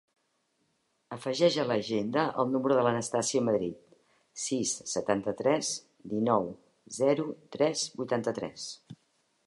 Afegeix a l'agenda el número de l'Anastàsia Madrid: sis, setanta-tres, dinou, zero, tres, vuitanta-tres.